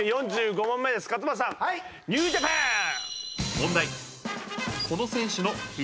「問題」